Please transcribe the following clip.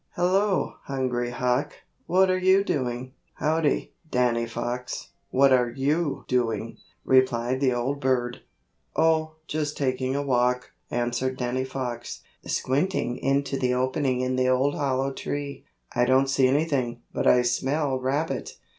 "Hello, Hungry Hawk, what are you doing?" "Howdy, Danny Fox, what are you doing?" replied the old bird. "Oh, just taking a walk," answered Danny Fox, squinting into the opening in the old hollow tree. "I don't see anything, but I smell rabbit."